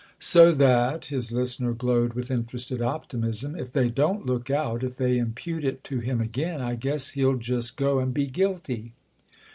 "So that"—his listener glowed with interested optimism—"if they don't look out, if they impute it to him again, I guess he'll just go and be guilty!"